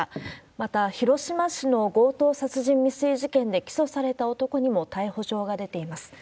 また、広島市の強盗殺人未遂事件で起訴された男にも逮捕状が出ています。